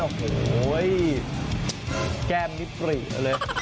โอ้โฮแก้มนี่ปริกเลย